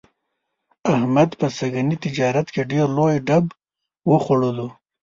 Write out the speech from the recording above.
احمد په سږني تجارت کې ډېر لوی ډب وخوړلو.